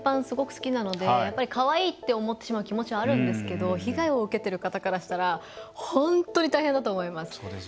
すごく好きなのでかわいいって思ってしまう気持ちはあるんですけど被害を受けてる方からしたら本当に大変だと思います。